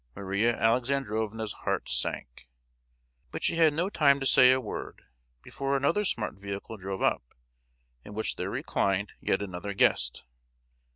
Maria Alexandrovna's heart sank. But she had no time to say a word, before another smart vehicle drove up, in which there reclined yet another guest.